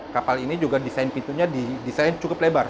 kapal ini juga desain pintunya didesain cukup lebar